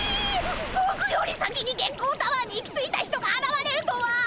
ぼくより先に月光タワーに行き着いた人があらわれるとは。